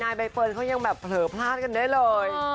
ใบเฟิร์นเขายังแบบเผลอพลาดกันได้เลย